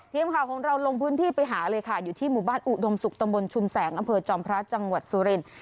เพียงข่าวของเราลงพื้นที่ไปหาเลยค่ะอยู่ที่หมู่บ้านอุดมศุกร์ตมชุมแสงอเผิดจอมพระจังหวัดสุเรน